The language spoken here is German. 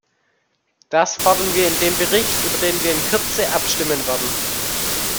Das fordern wir in dem Bericht, über den wir in Kürze abstimmen werden.